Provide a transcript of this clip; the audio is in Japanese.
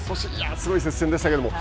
すごい接戦でしたけども。